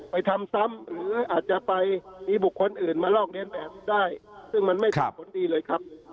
ไปทำซ้ำหรืออาจจะไปมีบุคคลอื่นมาลอกเรียนแบบได้ซึ่งมันไม่เป็นผลดีเลยครับ